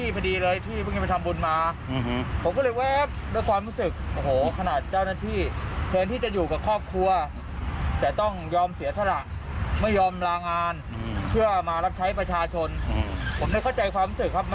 เพราะว่าตอนที่เราไปสะท้ายทางเจ้าหน้าที่